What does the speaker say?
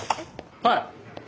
はい。